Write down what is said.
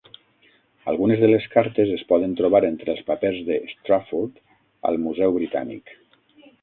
Algunes de les cartes es poden trobar entre els papers de Strafford al Museu Britànic.